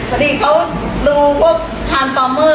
พอดีเขารู้ว่าทางต่อเมื่อ